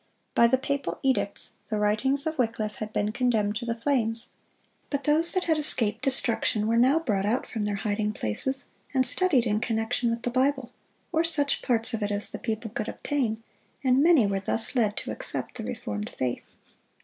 By the papal edicts the writings of Wycliffe had been condemned to the flames. But those that had escaped destruction were now brought out from their hiding places, and studied in connection with the Bible, or such parts of it as the people could obtain, and many were thus led to accept the reformed faith.